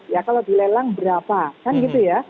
ya kalau dilelang berapa kan gitu ya